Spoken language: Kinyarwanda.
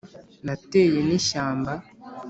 nateye n’ishyamba